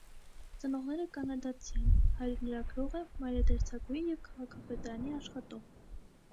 Ծնողները կանադացի են, հայրը լրագրող է, մայրը՝ դերձակուհի և քաղաքապետարանի աշխատող։